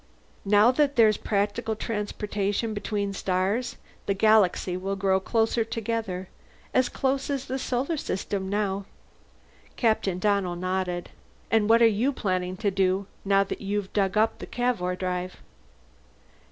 "Now that there's practical transportation between stars, the Galaxy will grow close together as close as the Solar System is now!" Captain Donnell nodded. "And what are you planning to do, now that you've dug up the Cavour drive?"